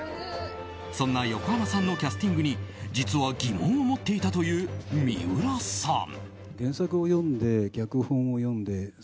そんな横浜さんのキャスティングに実は疑問を持っていたという三浦さん。